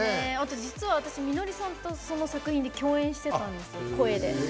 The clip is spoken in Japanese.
実は、みのりさんと、その作品で共演してたんですよ、声で。